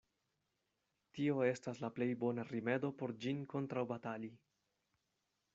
Tio estas la plej bona rimedo por ĝin kontraŭbatali.